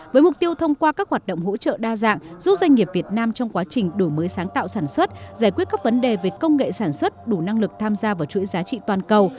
với mục tiêu thông qua các hoạt động hỗ trợ đa dạng giúp doanh nghiệp việt nam trong quá trình đổi mới sáng tạo sản xuất giải quyết các vấn đề về công nghệ sản xuất đủ năng lực tham gia vào chuỗi giá trị toàn cầu